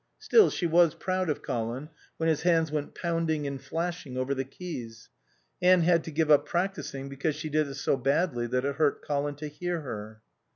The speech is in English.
Still, she was proud of Colin when his hands went pounding and flashing over the keys. Anne had to give up practising because she did it so badly that it hurt Colin to hear her.